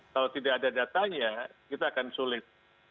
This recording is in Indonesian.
kalau tidak ada datanya kita akan sulit